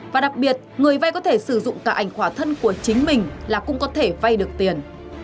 và đặc biệt người vay có thể sử dụng cả ảnh khỏa thân của chính mình là cũng có thể vay được tiền